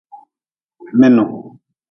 Minu.